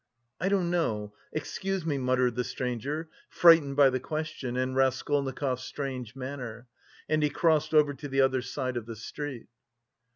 "I don't know.... Excuse me..." muttered the stranger, frightened by the question and Raskolnikov's strange manner, and he crossed over to the other side of the street.